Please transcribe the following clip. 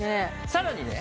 さらにね